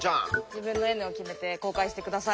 自分のＮを決めて公開して下さい。